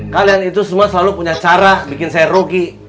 kalian itu semua selalu punya cara bikin saya rugi